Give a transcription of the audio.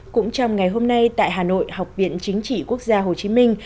cũng trong ngày hôm nay tại hà nội học viện chính trị quốc gia hồ chí minh